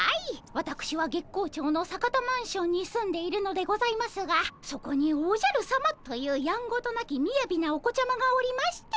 わたくしは月光町の坂田マンションに住んでいるのでございますがそこにおじゃるさまというやんごとなきみやびなお子ちゃまがおりまして。